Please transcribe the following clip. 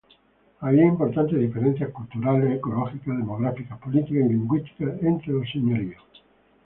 Había importantes diferencias culturales, ecológicas, demográficas, políticas y lingüísticas entre los señoríos.